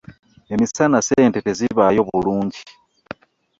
Emisana ssente tezibaayo bulungi.